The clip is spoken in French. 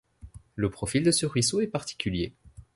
Le profil de ce ruisseau est particulier.